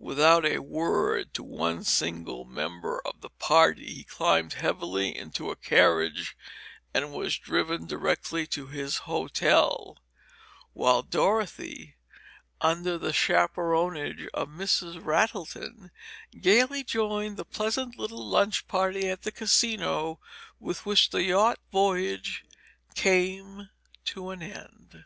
Without a word to one single member of the party, he climbed heavily into a carriage and was driven directly to his hotel while Dorothy, still under the chaperonage of Mrs. Rattleton, gayly joined the pleasant little lunch party at the Casino with which the yacht voyage came to an end.